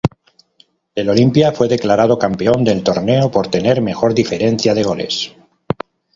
El Olimpia fue declarado campeón del torneo por tener mejor diferencia de goles.